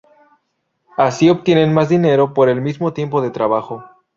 Así obtienen más dinero por el mismo tiempo de trabajo".